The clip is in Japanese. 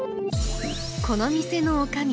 この店のおかみ